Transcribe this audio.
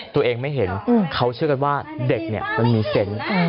ตัวเองไม่เห็นเขาเชื่อกันว่าเด็กเนี่ยมันมีเซนต์